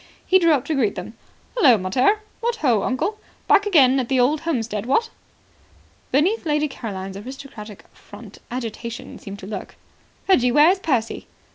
He drew up to greet them. "Hullo, mater. What ho, uncle! Back again at the old homestead, what?" Beneath Lady Caroline's aristocratic front agitation seemed to lurk. "Reggie, where is Percy?"